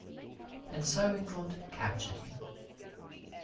And so England captured him.